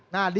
nah di sini